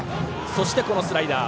そして、スライダー。